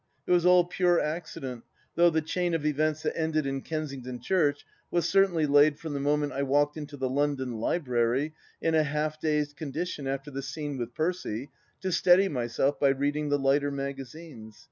It was all pure accident, though the chain of events that ended in Kensington Church was certainly laid from the moment I walked into the London Library, in a half dazed condition after the scene with Percy, to steady myself by reading the lighter magazines.